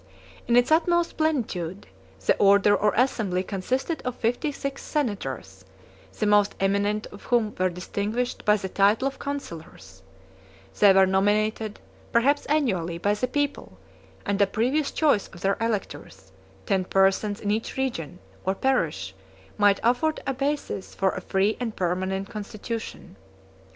In its utmost plenitude, the order or assembly consisted of fifty six senators, 44 the most eminent of whom were distinguished by the title of counsellors: they were nominated, perhaps annually, by the people; and a previous choice of their electors, ten persons in each region, or parish, might afford a basis for a free and permanent constitution.